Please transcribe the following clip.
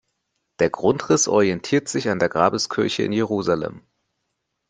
Der Grundriss orientiert sich an der Grabeskirche in Jerusalem.